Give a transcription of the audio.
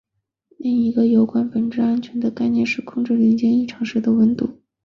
另一个有关本质安全的概念是控制零件异常时的温度。